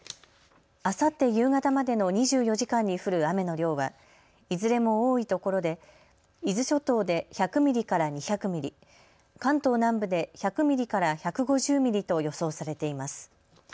あさって夕方までの２４時間に降る雨の量はいずれも多いところで伊豆諸島で１００ミリから２００ミリ、関東南部で１００ミリから１５０ミリと予想されています。